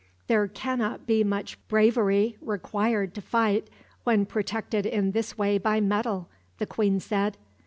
"There cannot be much bravery required to fight, when protected in this way by metal," the queen said.